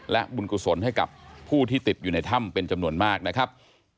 และบุญกุศลให้กับผู้ที่ติดอยู่ในถ้ำเป็นจำนวนมากนะครับ